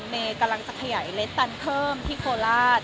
เมย์กำลังจะขยายเลสตันเพิ่มที่โคราช